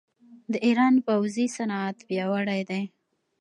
د ایران پوځي صنعت پیاوړی دی.